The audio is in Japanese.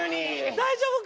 大丈夫か？